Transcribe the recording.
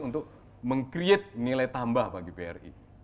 untuk meng create nilai tambah bagi bri